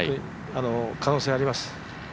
可能性あります。